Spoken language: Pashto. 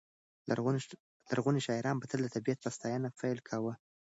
لرغوني شاعران به تل د طبیعت په ستاینه پیل کاوه.